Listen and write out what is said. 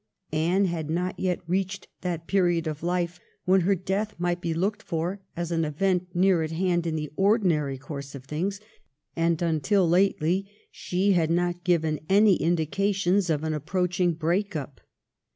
Anne had not yet reached that period of life when her death might be looked for as an event near at hand in the ordinary course of things, and until lately she had not given any indications of an approaching break up.